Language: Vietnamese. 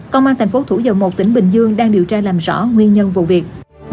công an thành phố thủ dầu một tỉnh bình dương đang điều tra làm rõ nguyên nhân vụ việc